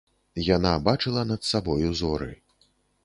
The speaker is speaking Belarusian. Яна бачыла над сабою зоры.